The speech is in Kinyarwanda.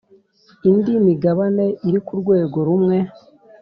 Indi migabane iri ku rwego rumwe